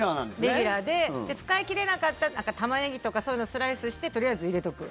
レギュラーで使い切れなかったタマネギとかそういうのスライスしてとりあえず入れとく。